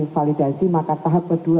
validasi maka tahap berdua